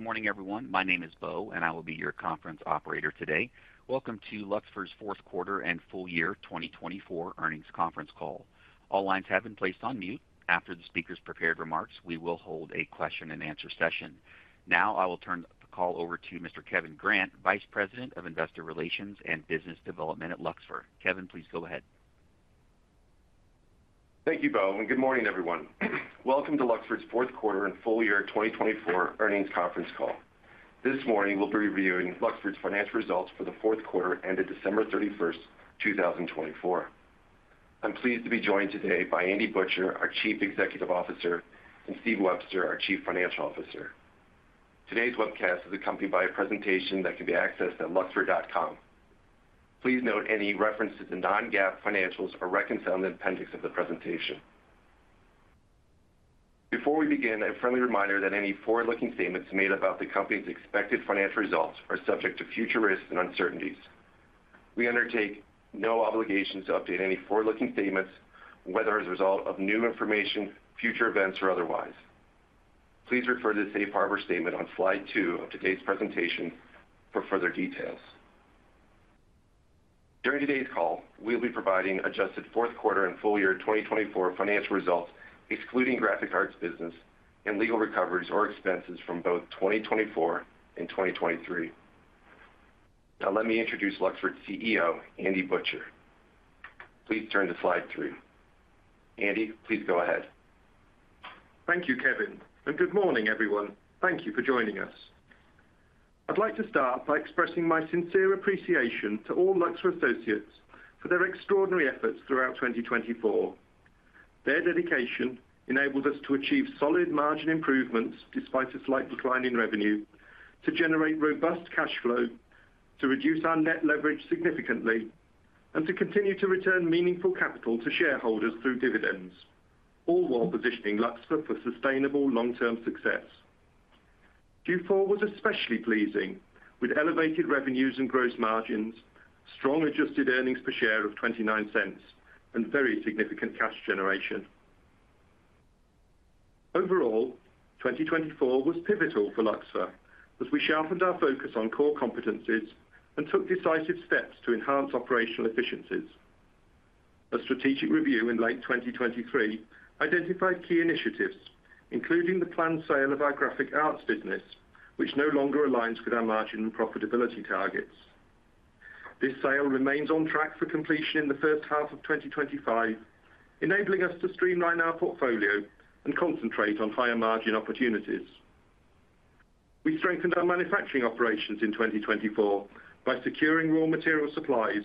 Good morning, everyone. My name is Bo, and I will be your conference operator today. Welcome to Luxfer's Fourth Quarter and Full Year 2024 Earnings Conference Call. All lines have been placed on mute. After the speaker's prepared remarks, we will hold a question-and-answer session. Now, I will turn the call over to Mr. Kevin Grant, Vice President of Investor Relations and Business Development at Luxfer. Kevin, please go ahead. Thank you, Bo, and good morning, everyone. Welcome to Luxfer's Fourth Quarter and Full Year 2024 Earnings Conference Call. This morning, we'll be reviewing Luxfer's financial results for the fourth quarter ended December 31st, 2024. I'm pleased to be joined today by Andy Butcher, our Chief Executive Officer, and Steve Webster, our Chief Financial Officer. Today's webcast is accompanied by a presentation that can be accessed at luxfer.com. Please note any reference to the non-GAAP financials or reconciliations in the appendix of the presentation. Before we begin, a friendly reminder that any forward-looking statements made about the company's expected financial results are subject to future risks and uncertainties. We undertake no obligations to update any forward-looking statements, whether as a result of new information, future events, or otherwise. Please refer to the Safe Harbor statement on slide two of today's presentation for further details. During today's call, we'll be providing adjusted fourth quarter and full year 2024 financial results, excluding Graphic Arts business, and legal recoveries or expenses from both 2024 and 2023. Now, let me introduce Luxfer's CEO, Andy Butcher. Please turn to slide three. Andy, please go ahead. Thank you, Kevin, and good morning, everyone. Thank you for joining us. I'd like to start by expressing my sincere appreciation to all Luxfer associates for their extraordinary efforts throughout 2024. Their dedication enabled us to achieve solid margin improvements despite a slight decline in revenue, to generate robust cash flow, to reduce our net leverage significantly, and to continue to return meaningful capital to shareholders through dividends, all while positioning Luxfer for sustainable long-term success. Q4 was especially pleasing, with elevated revenues and gross margins, strong adjusted earnings per share of $0.29, and very significant cash generation. Overall, 2024 was pivotal for Luxfer, as we sharpened our focus on core competencies and took decisive steps to enhance operational efficiencies. A strategic review in late 2023 identified key initiatives, including the planned sale of our Graphic Arts business, which no longer aligns with our margin and profitability targets. This sale remains on track for completion in the first half of 2025, enabling us to streamline our portfolio and concentrate on higher margin opportunities. We strengthened our manufacturing operations in 2024 by securing raw material supplies,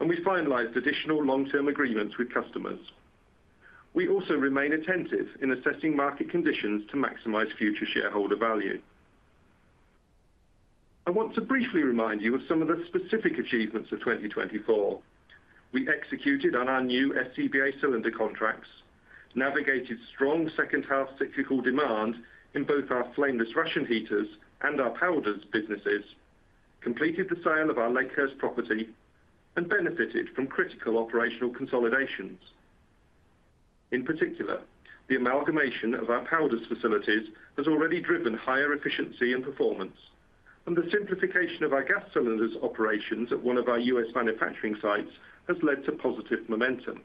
and we finalized additional long-term agreements with customers. We also remain attentive in assessing market conditions to maximize future shareholder value. I want to briefly remind you of some of the specific achievements of 2024. We executed on our new SCBA cylinder contracts, navigated strong second-half cyclical demand in both our flameless ration heaters and our powders businesses, completed the sale of our Lakehurst property, and benefited from critical operational consolidations. In particular, the amalgamation of our powders facilities has already driven higher efficiency and performance, and the simplification of our gas cylinders operations at one of our U.S. manufacturing sites has led to positive momentum.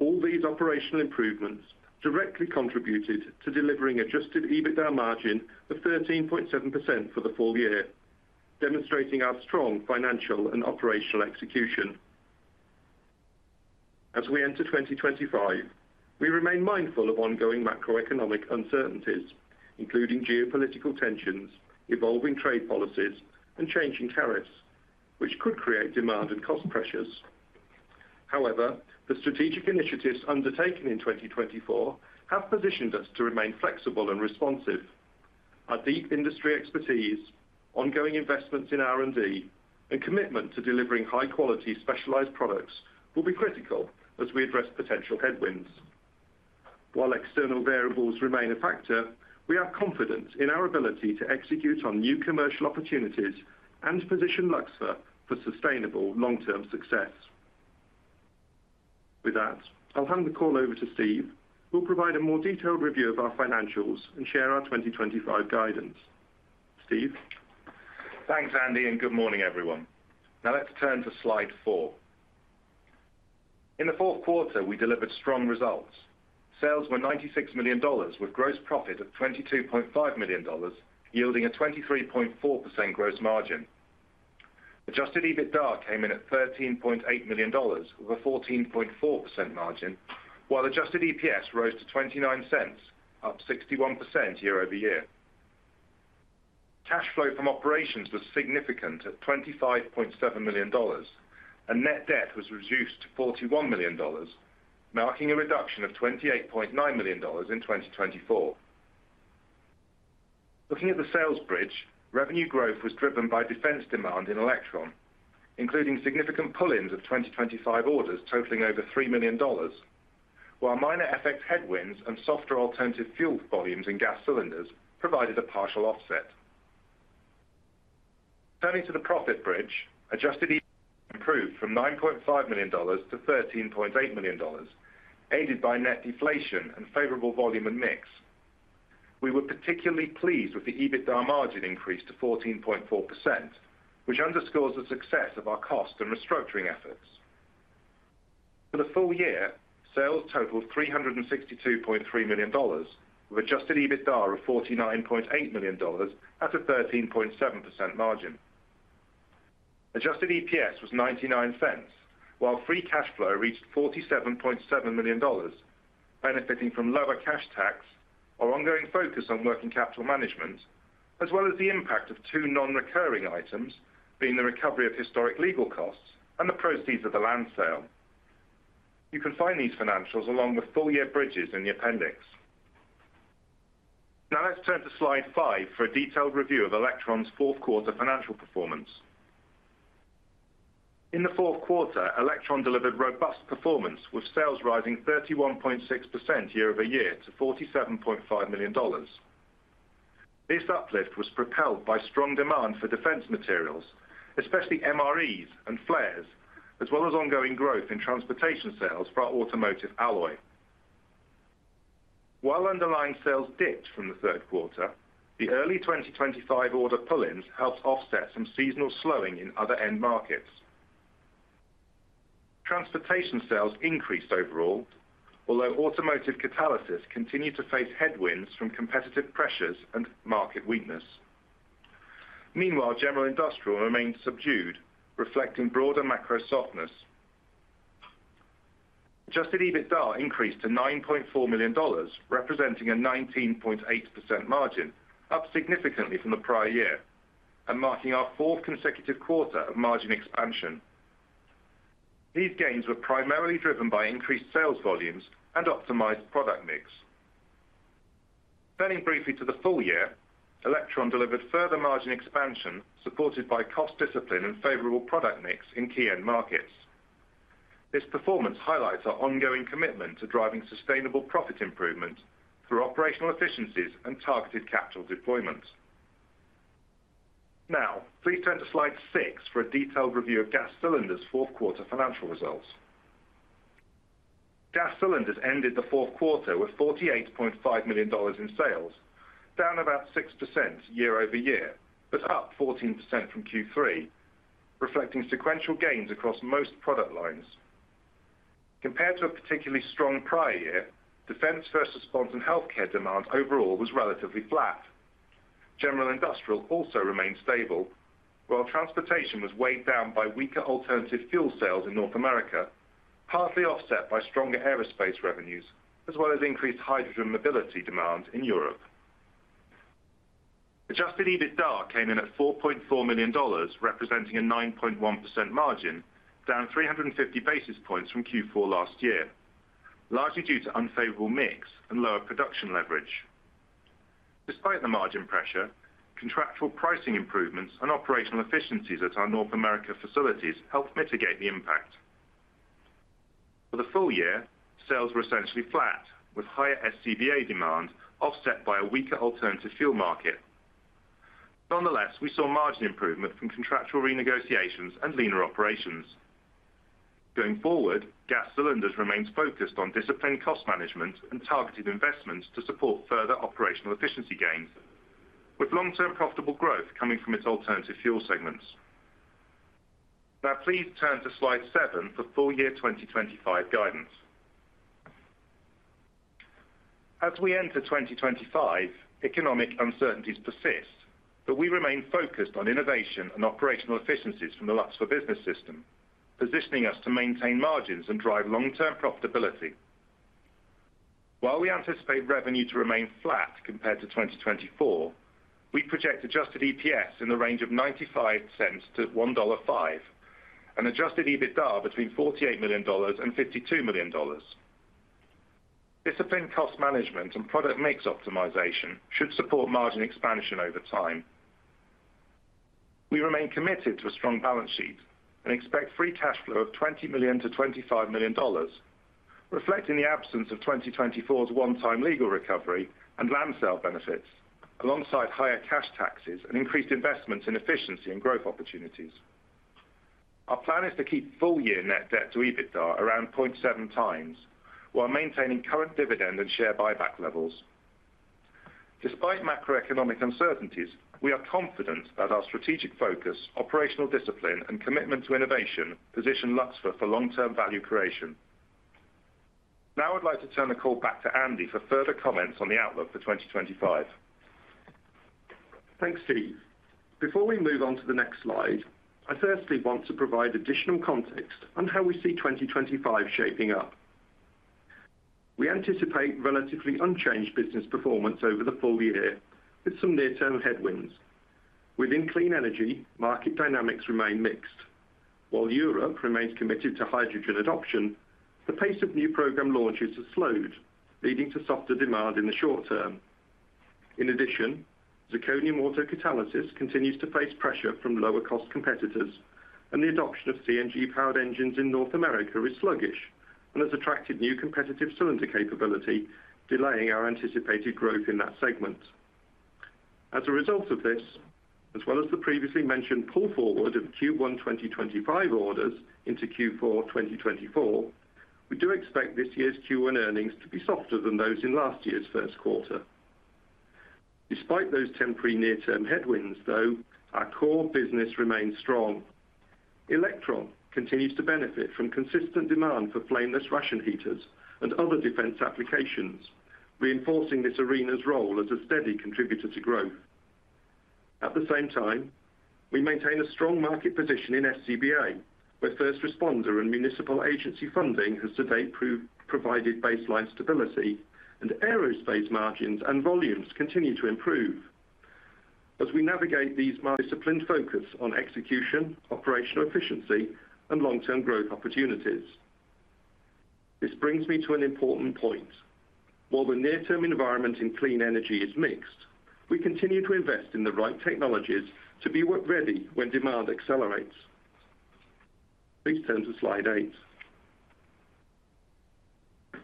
All these operational improvements directly contributed to delivering adjusted EBITDA margin of 13.7% for the full year, demonstrating our strong financial and operational execution. As we enter 2025, we remain mindful of ongoing macroeconomic uncertainties, including geopolitical tensions, evolving trade policies, and changing tariffs, which could create demand and cost pressures. However, the strategic initiatives undertaken in 2024 have positioned us to remain flexible and responsive. Our deep industry expertise, ongoing investments in R&D, and commitment to delivering high-quality specialized products will be critical as we address potential headwinds. While external variables remain a factor, we are confident in our ability to execute on new commercial opportunities and position Luxfer for sustainable long-term success. With that, I'll hand the call over to Steve, who will provide a more detailed review of our financials and share our 2025 guidance. Steve. Thanks, Andy, and good morning, everyone. Now, let's turn to slide four. In the fourth quarter, we delivered strong results. Sales were $96 million, with gross profit of $22.5 million, yielding a 23.4% gross margin. Adjusted EBITDA came in at $13.8 million, with a 14.4% margin, while adjusted EPS rose to $0.29, up 61% year-over-year. Cash flow from operations was significant at $25.7 million, and net debt was reduced to $41 million, marking a reduction of $28.9 million in 2024. Looking at the sales bridge, revenue growth was driven by defense demand in Elektron, including significant pull-ins of 2025 orders totaling over $3 million, while minor FX headwinds and softer alternative fuel volumes in gas cylinders provided a partial offset. Turning to the profit bridge, adjusted improved from $9.5 million to $13.8 million, aided by net deflation and favorable volume and mix. We were particularly pleased with the EBITDA margin increase to 14.4%, which underscores the success of our cost and restructuring efforts. For the full year, sales totaled $362.3 million, with adjusted EBITDA of $49.8 million at a 13.7% margin. Adjusted EPS was $0.99, while free cash flow reached $47.7 million, benefiting from lower cash tax or ongoing focus on working capital management, as well as the impact of two non-recurring items being the recovery of historic legal costs and the proceeds of the land sale. You can find these financials along with full-year bridges in the appendix. Now, let's turn to slide five for a detailed review of Elektron's fourth quarter financial performance. In the fourth quarter, Elektron delivered robust performance, with sales rising 31.6% year-over-year to $47.5 million. This uplift was propelled by strong demand for defense materials, especially MREs and flares, as well as ongoing growth in transportation sales for automotive alloy. While underlying sales dipped from the third quarter, the early 2025 order pull-ins helped offset some seasonal slowing in other end markets. Transportation sales increased overall, although automotive catalysis continued to face headwinds from competitive pressures and market weakness. Meanwhile, General Industrial remained subdued, reflecting broader macro softness. Adjusted EBITDA increased to $9.4 million, representing a 19.8% margin, up significantly from the prior year, and marking our fourth consecutive quarter of margin expansion. These gains were primarily driven by increased sales volumes and optimized product mix. Turning briefly to the full year, Elektron delivered further margin expansion supported by cost discipline and favorable product mix in key end markets. This performance highlights our ongoing commitment to driving sustainable profit improvement through operational efficiencies and targeted capital deployment. Now, please turn to slide six for a detailed review of Gas Cylinders' fourth quarter financial results. Gas Cylinders ended the fourth quarter with $48.5 million in sales, down about 6% year-over-year, but up 14% from Q3, reflecting sequential gains across most product lines. Compared to a particularly strong prior year, Defense, First Responder, and Healthcare demand overall was relatively flat. General Industrial also remained stable, while transportation was weighed down by weaker alternative fuel sales in North America, partly offset by stronger aerospace revenues, as well as increased hydrogen mobility demand in Europe. Adjusted EBITDA came in at $4.4 million, representing a 9.1% margin, down 350 basis points from Q4 last year, largely due to unfavorable mix and lower production leverage. Despite the margin pressure, contractual pricing improvements and operational efficiencies at our North America facilities helped mitigate the impact. For the full year, sales were essentially flat, with higher SCBA demand offset by a weaker alternative fuel market. Nonetheless, we saw margin improvement from contractual renegotiations and leaner operations. Going forward, Gas Cylinders remains focused on disciplined cost management and targeted investments to support further operational efficiency gains, with long-term profitable growth coming from its alternative fuel segments. Now, please turn to slide seven for full year 2025 guidance. As we enter 2025, economic uncertainties persist, but we remain focused on innovation and operational efficiencies from the Luxfer Business System, positioning us to maintain margins and drive long-term profitability. While we anticipate revenue to remain flat compared to 2024, we project adjusted EPS in the range of $0.95-$1.05 and adjusted EBITDA between $48 million and $52 million. Disciplined cost management and product mix optimization should support margin expansion over time. We remain committed to a strong balance sheet and expect free cash flow of $20 million-$25 million, reflecting the absence of 2024's one-time legal recovery and land sale benefits, alongside higher cash taxes and increased investments in efficiency and growth opportunities. Our plan is to keep full-year net debt to EBITDA around 0.7 times, while maintaining current dividend and share buyback levels. Despite macroeconomic uncertainties, we are confident that our strategic focus, operational discipline, and commitment to innovation position Luxfer for long-term value creation. Now, I'd like to turn the call back to Andy for further comments on the outlook for 2025. Thanks, Steve. Before we move on to the next slide, I firstly want to provide additional context on how we see 2025 shaping up. We anticipate relatively unchanged business performance over the full year, with some near-term headwinds. Within clean energy, market dynamics remain mixed. While Europe remains committed to hydrogen adoption, the pace of new program launches has slowed, leading to softer demand in the short term. In addition, zirconium autocatalysis continues to face pressure from lower-cost competitors, and the adoption of CNG-powered engines in North America is sluggish and has attracted new competitive cylinder capability, delaying our anticipated growth in that segment. As a result of this, as well as the previously mentioned pull-forward of Q1 2025 orders into Q4 2024, we do expect this year's Q1 earnings to be softer than those in last year's first quarter. Despite those temporary near-term headwinds, though, our core business remains strong. Elektron continues to benefit from consistent demand for flameless ration heaters and other defense applications, reinforcing this arena's role as a steady contributor to growth. At the same time, we maintain a strong market position in SCBA, where first responder and municipal agency funding has to date provided baseline stability, and aerospace margins and volumes continue to improve. As we navigate these disciplined focus on execution, operational efficiency, and long-term growth opportunities. This brings me to an important point. While the near-term environment in clean energy is mixed, we continue to invest in the right technologies to be ready when demand accelerates. Please turn to slide eight.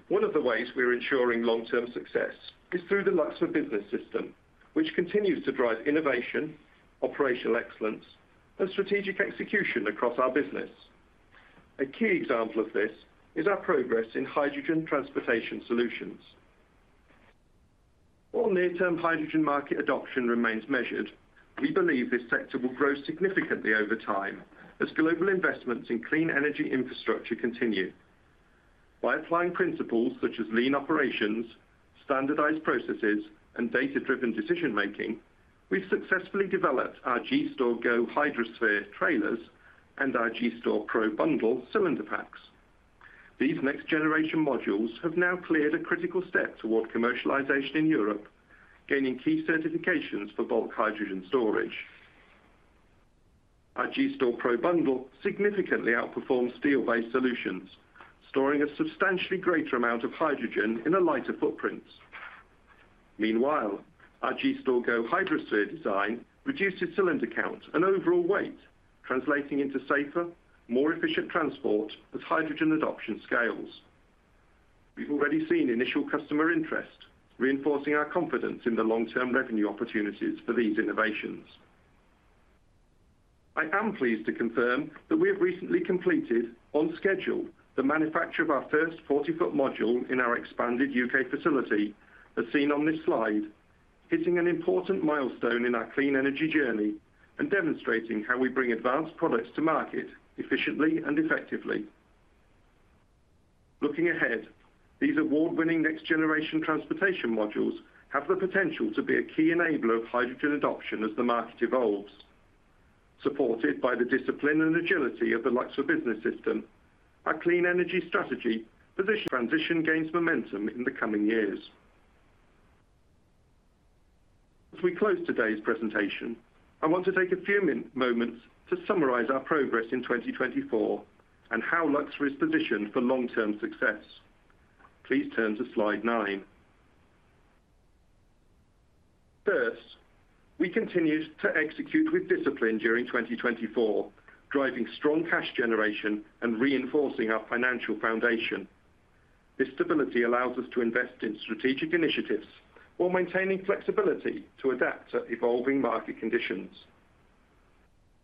One of the ways we're ensuring long-term success is through the Luxfer Business System, which continues to drive innovation, operational excellence, and strategic execution across our business. A key example of this is our progress in hydrogen transportation solutions. While near-term hydrogen market adoption remains measured, we believe this sector will grow significantly over time as global investments in clean energy infrastructure continue. By applying principles such as lean operations, standardized processes, and data-driven decision-making, we've successfully developed our G-Stor Go Hydrosphere trailers and our G-Stor Pro Bundle cylinder packs. These next-generation modules have now cleared a critical step toward commercialization in Europe, gaining key certifications for bulk hydrogen storage. Our G-Stor Pro Bundle significantly outperforms steel-based solutions, storing a substantially greater amount of hydrogen in a lighter footprint. Meanwhile, our G-Stor Go Hydrosphere design reduces cylinder count and overall weight, translating into safer, more efficient transport as hydrogen adoption scales. We've already seen initial customer interest, reinforcing our confidence in the long-term revenue opportunities for these innovations. I am pleased to confirm that we have recently completed, on schedule, the manufacture of our first 40-foot module in our expanded U.K. facility, as seen on this slide, hitting an important milestone in our clean energy journey and demonstrating how we bring advanced products to market efficiently and effectively. Looking ahead, these award-winning next-generation transportation modules have the potential to be a key enabler of hydrogen adoption as the market evolves. Supported by the discipline and agility of the Luxfer Business System, our clean energy strategy positions transition gains momentum in the coming years. As we close today's presentation, I want to take a few moments to summarize our progress in 2024 and how Luxfer is positioned for long-term success. Please turn to slide nine. First, we continue to execute with discipline during 2024, driving strong cash generation and reinforcing our financial foundation. This stability allows us to invest in strategic initiatives while maintaining flexibility to adapt to evolving market conditions.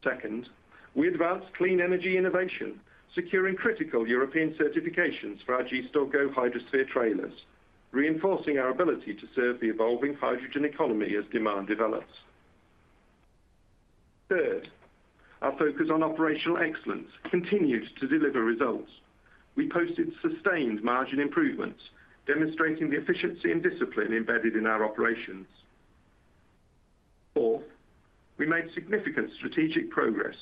Second, we advance clean energy innovation, securing critical European certifications for our G-Stor Go Hydrosphere trailers, reinforcing our ability to serve the evolving hydrogen economy as demand develops. Third, our focus on operational excellence continues to deliver results. We posted sustained margin improvements, demonstrating the efficiency and discipline embedded in our operations. Fourth, we made significant strategic progress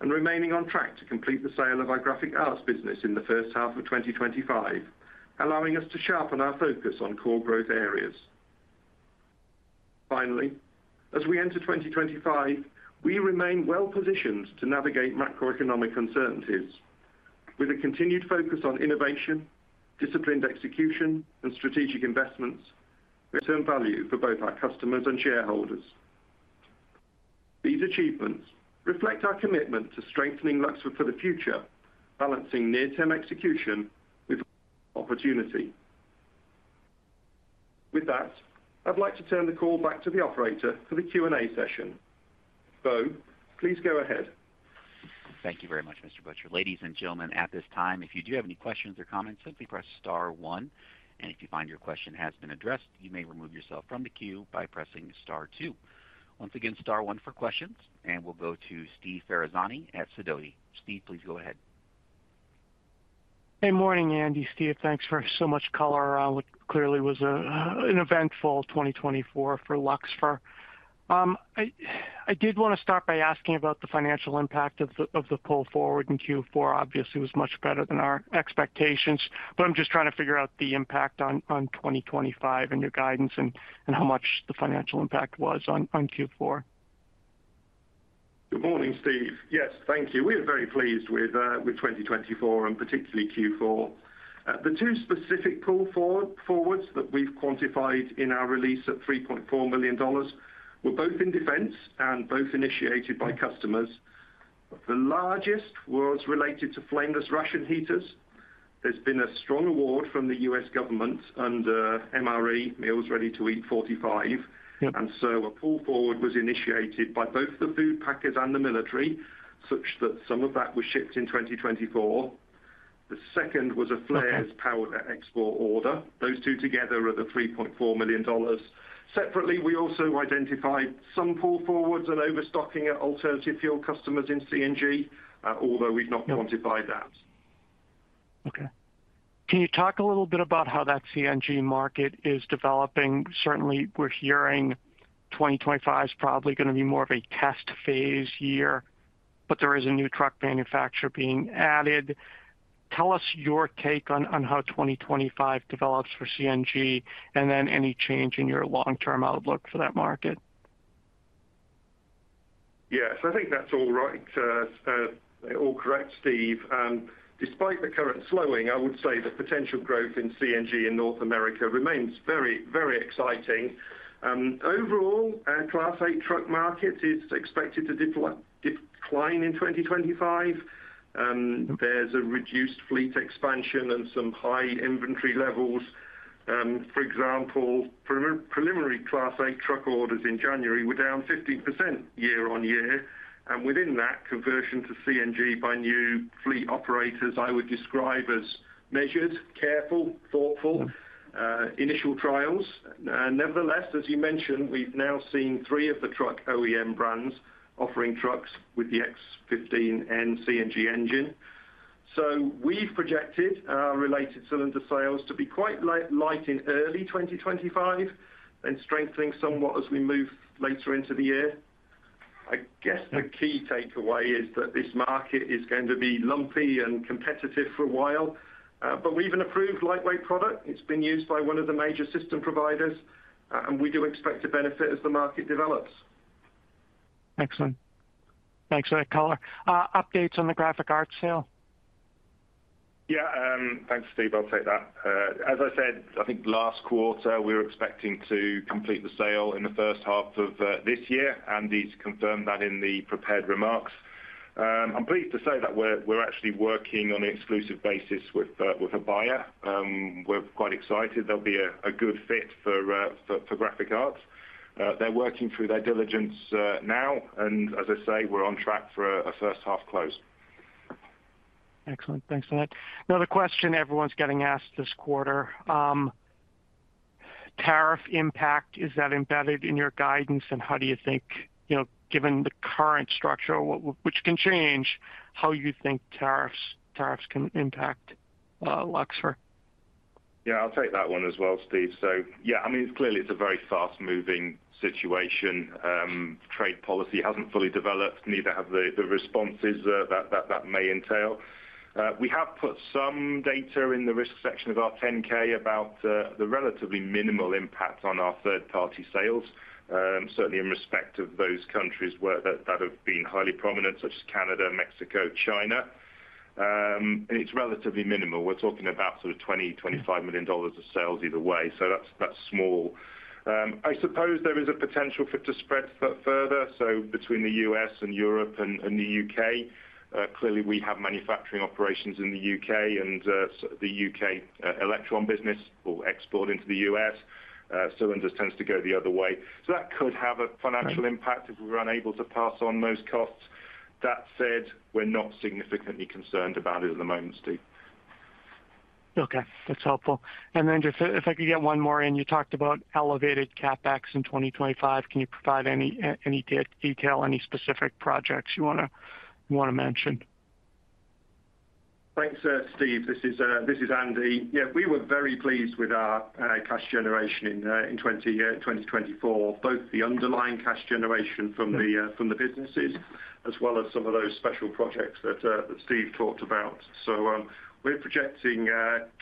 and remaining on track to complete the sale of our Graphic Arts business in the first half of 2025, allowing us to sharpen our focus on core growth areas. Finally, as we enter 2025, we remain well-positioned to navigate macroeconomic uncertainties. With a continued focus on innovation, disciplined execution, and strategic investments, we have returned value for both our customers and shareholders. These achievements reflect our commitment to strengthening Luxfer for the future, balancing near-term execution with opportunity. With that, I'd like to turn the call back to the operator for the Q&A session. Bo, please go ahead. Thank you very much, Mr. Butcher. Ladies and gentlemen, at this time, if you do have any questions or comments, simply press star one. And if you find your question has been addressed, you may remove yourself from the queue by pressing star two. Once again, star one for questions, and we'll go to Steve Ferazani at Sidoti. Steve, please go ahead. Good morning, Andy. Steve, thanks for so much color. It clearly was an eventful 2024 for Luxfer. I did want to start by asking about the financial impact of the pull-forward in Q4. Obviously, it was much better than our expectations, but I'm just trying to figure out the impact on 2025 and your guidance and how much the financial impact was on Q4. Good morning, Steve. Yes, thank you. We are very pleased with 2024 and particularly Q4. The two specific pull-forwards that we've quantified in our release at $3.4 million were both in defense and both initiated by customers. The largest was related to flameless ration heaters. There's been a strong award from the U.S. government under MRE, Meals Ready to Eat 45. And so a pull-forward was initiated by both the food packers and the military, such that some of that was shipped in 2024. The second was a flares-powered export order. Those two together are the $3.4 million. Separately, we also identified some pull-forwards and overstocking at alternative fuel customers in CNG, although we've not quantified that. Okay. Can you talk a little bit about how that CNG market is developing? Certainly, we're hearing 2025 is probably going to be more of a test phase year, but there is a new truck manufacturer being added. Tell us your take on how 2025 develops for CNG and then any change in your long-term outlook for that market. Yes, I think that's all right. All correct, Steve. Despite the current slowing, I would say the potential growth in CNG in North America remains very, very exciting. Overall, Class 8 truck market is expected to decline in 2025. There's a reduced fleet expansion and some high inventory levels. For example, preliminary Class 8 truck orders in January were down 15% year-on-year, and within that, conversion to CNG by new fleet operators, I would describe as measured, careful, thoughtful, initial trials. Nevertheless, as you mentioned, we've now seen three of the truck OEM brands offering trucks with the X15N CNG engine. So we've projected our related cylinder sales to be quite light in early 2025 and strengthening somewhat as we move later into the year. I guess the key takeaway is that this market is going to be lumpy and competitive for a while. But we've an approved lightweight product. It's been used by one of the major system providers, and we do expect to benefit as the market develops. Excellent. Thanks for that color. Updates on the Graphic Arts sale? Yeah, thanks, Steve. I'll take that. As I said, I think last quarter, we were expecting to complete the sale in the first half of this year. Andy's confirmed that in the prepared remarks. I'm pleased to say that we're actually working on an exclusive basis with a buyer. We're quite excited. There'll be a good fit for Graphic Arts. They're working through their diligence now. And as I say, we're on track for a first half close. Excellent. Thanks for that. Another question everyone's getting asked this quarter. Tariff impact, is that embedded in your guidance? And how do you think, given the current structure, which can change, how you think tariffs can impact Luxfer? Yeah, I'll take that one as well, Steve. So yeah, I mean, clearly, it's a very fast-moving situation. Trade policy hasn't fully developed. Neither have the responses that may entail. We have put some data in the risk section of our 10-K about the relatively minimal impact on our third-party sales, certainly in respect of those countries that have been highly prominent, such as Canada, Mexico, China. And it's relatively minimal. We're talking about sort of $20 million-$25 million of sales either way. So that's small. I suppose there is a potential for it to spread further. So between the U.S. and Europe and the U.K., clearly, we have manufacturing operations in the U.K. and the U.K. Elektron business will export into the U.S. Cylinders tends to go the other way. So that could have a financial impact if we're unable to pass on those costs. That said, we're not significantly concerned about it at the moment, Steve. Okay. That's helpful. And Andrew, if I could get one more in, you talked about elevated CapEx in 2025. Can you provide any detail, any specific projects you want to mention? Thanks, Steve. This is Andy. Yeah, we were very pleased with our cash generation in 2024, both the underlying cash generation from the businesses as well as some of those special projects that Steve talked about. So we're projecting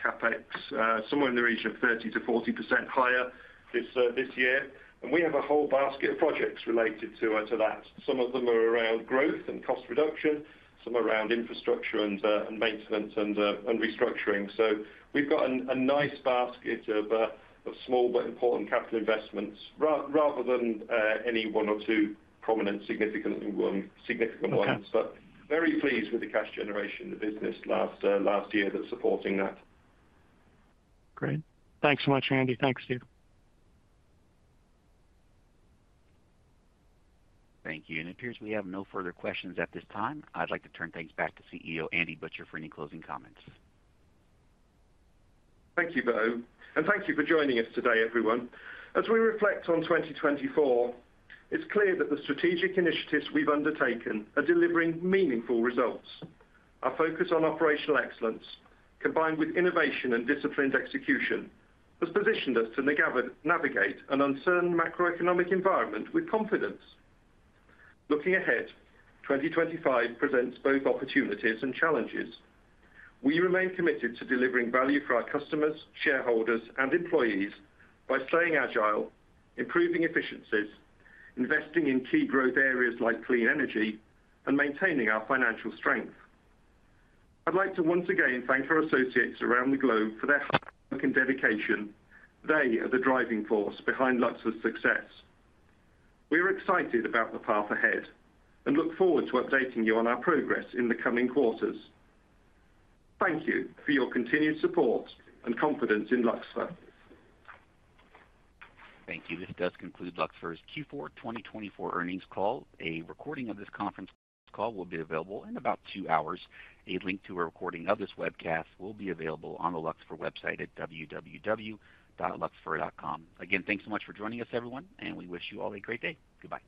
CapEx somewhere in the region of 30%-40% higher this year. And we have a whole basket of projects related to that. Some of them are around growth and cost reduction, some around infrastructure and maintenance and restructuring. So we've got a nice basket of small but important capital investments rather than any one or two prominent significant ones. But very pleased with the cash generation in the business last year that's supporting that. Great. Thanks so much, Andy. Thanks, Steve. Thank you. And it appears we have no further questions at this time. I'd like to turn things back to CEO Andy Butcher for any closing comments. Thank you, Bo. And thank you for joining us today, everyone. As we reflect on 2024, it's clear that the strategic initiatives we've undertaken are delivering meaningful results. Our focus on operational excellence, combined with innovation and disciplined execution, has positioned us to navigate an uncertain macroeconomic environment with confidence. Looking ahead, 2025 presents both opportunities and challenges. We remain committed to delivering value for our customers, shareholders, and employees by staying agile, improving efficiencies, investing in key growth areas like clean energy, and maintaining our financial strength. I'd like to once again thank our associates around the globe for their hard work and dedication. They are the driving force behind Luxfer's success. We are excited about the path ahead and look forward to updating you on our progress in the coming quarters. Thank you for your continued support and confidence in Luxfer. Thank you. This does conclude Luxfer's Q4 2024 Earnings Call. A recording of this conference call will be available in about two hours. A link to a recording of this webcast will be available on the Luxfer website at www.luxfer.com. Again, thanks so much for joining us, everyone, and we wish you all a great day. Goodbye.